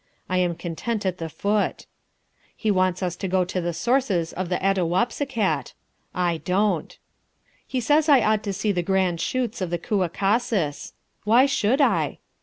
I am content at the foot. He wants us to go to the sources of the Attahwapiscat. I don't. He says I ought to see the grand chutes of the Kewakasis. Why should I?